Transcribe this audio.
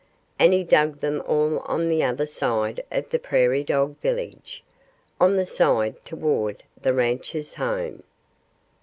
And he dug them all on the other side of the prairie dog village on the side toward the rancher's home.